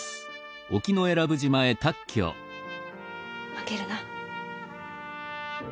負けるな。